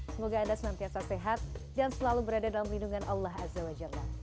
semoga anda senantiasa sehat dan selalu berada dalam lindungan allah azza wa jalla